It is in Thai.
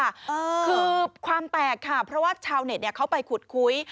คือความแตกค่ะเพราะว่าชาวเน็ตเขาไปขุดคุ้ย